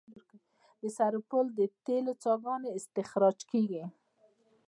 د سرپل د تیلو څاګانې استخراج کیږي